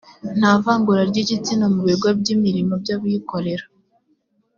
nta vangura ry’igitsina mu bigo by’imirimo by’abikorera